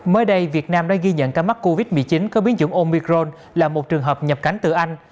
mới đây việt nam đã ghi nhận ca mắc covid một mươi chín có biến chủng omicrone là một trường hợp nhập cảnh từ anh